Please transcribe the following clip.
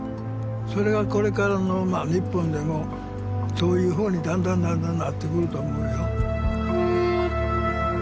それはこれからの日本でもそういうふうにだんだんだんだんなってくると思うよ